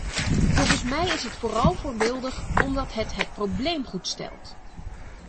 Volgens mij is het vooral voorbeeldig omdat het het probleem goed stelt.